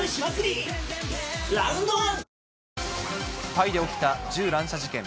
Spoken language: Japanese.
タイで起きた銃乱射事件。